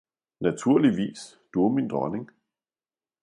»Naturligviis, Du er min Dronning!